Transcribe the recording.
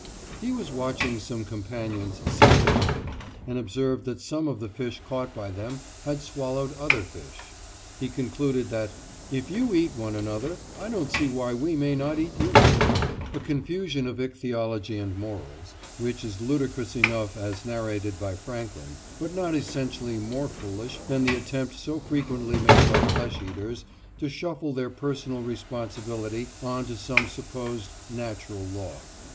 He was watching some companions sea fishing, and observing that some of the fish caught by them had swallowed other fish, he concluded that, "If you eat one another, I don't see why we may not eat you"—a confusion of ichthyology and morals which is ludicrous enough as narrated by Franklin, but not essentially more foolish than the attempt so frequently made by flesh eaters to shuffle their personal responsibility on to some supposed "natural law."